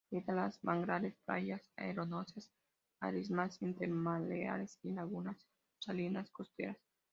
Habita en manglares, playas arenosas, marismas intermareales y lagunas salinas costeras.